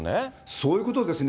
そういうことですね。